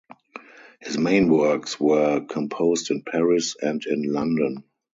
His main works were composed in Paris and in London.